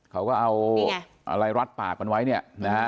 เขาก็เอาอะไรรัดปากมันไว้เนี่ยนะฮะ